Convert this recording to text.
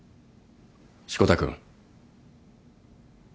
志子田君。